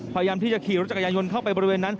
พยายามที่จะขี่รถจักรยายนต์เข้าไปบริเวณนั้น